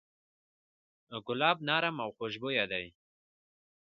ګلاب نرم او خوشبویه دی.